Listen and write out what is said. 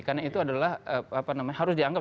karena itu adalah apa namanya harus dianggap